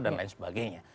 dan lain sebagainya